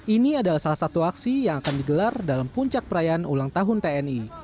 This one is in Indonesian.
ini adalah salah satu aksi yang akan digelar dalam puncak perayaan ulang tahun tni